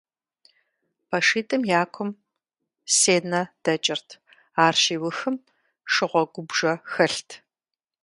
ПэшитӀым я кум сенэ дэкӀырт, ар щиухым шыгъуэгубжэ хэлът.